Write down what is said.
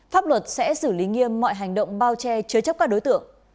pháp luật sẽ xử lý nghiêm mọi hành động bao che chứa chấp các đối tượng